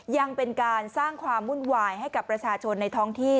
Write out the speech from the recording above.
ยังเป็นการสร้างความวุ่นวายให้กับประชาชนในท้องที่